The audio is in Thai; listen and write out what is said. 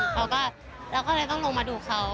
เราก็เลยต้องลงมาดูเขา